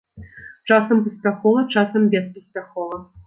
Часам паспяхова, часам беспаспяхова.